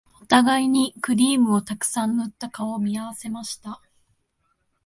お互いにクリームをたくさん塗った顔を見合わせました